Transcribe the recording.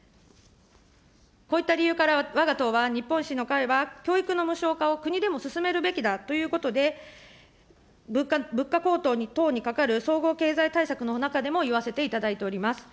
こういった理由からわが党は、日本維新の会は、教育の無償化を国でも進めるべきだということで、物価高騰等にかかる総合経済対策の中でも言わせていただいております。